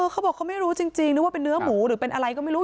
เขาบอกเขาไม่รู้จริงนึกว่าเป็นเนื้อหมูหรือเป็นอะไรก็ไม่รู้